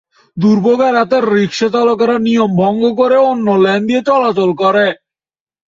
দুর্ভোগ এড়াতে রিকশাচালকেরা নিয়ম ভঙ্গ করে অন্য লেন দিয়ে চলাচল করে।